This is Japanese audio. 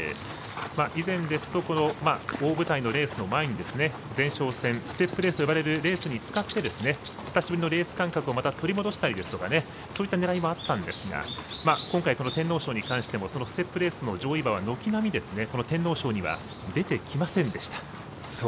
以前ですと大舞台のレースの前に前哨戦、ステップレースと呼ばれるレースに使って久しぶりのレース感覚を取り戻したりとかそういったねらいもあったんですが今回、天皇賞に関してもそのステップレースに上位馬が出てきませんでした。